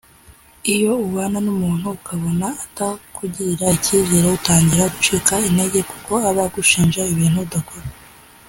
Iyo ubana n’umuntu ukabona atakugirira icyizere utangira gucika intege kuko aba agushinja ibintu udakora